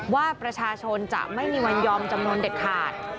ว่าประชาชนจะไม่มีวันยอมจำนวนเด็ดขาด